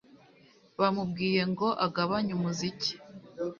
bamubwiye ngo agabanye umuziki